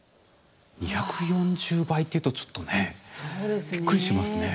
２４０倍っていうとちょっとねびっくりしますね。